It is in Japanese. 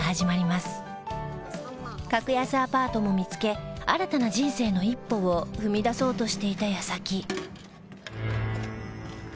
格安アパートも見つけ新たな人生の一歩を踏み出そうとしていた矢先